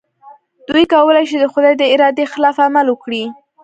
دوی کولای شي د خدای د ارادې خلاف عمل وکړي.